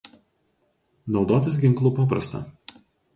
Naudotis ginklu paprasta.